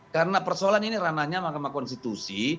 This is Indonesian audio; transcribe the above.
karena persoalan ini ranahnya mahkamah konstitusi